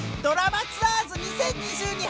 『ドラマツアーズ２０２２春』